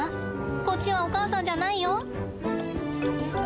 こっちはお母さんじゃないよ。